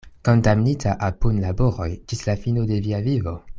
Kondamnita al punlaboroj ĝis la fino de via vivo?